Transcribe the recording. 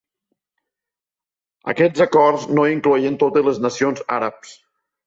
Aquests acords no incloïen totes les nacions àrabs.